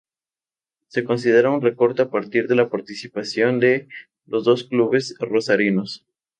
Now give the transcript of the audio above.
Se considera un recorte a partir de la participación de los dos clubes rosarinos.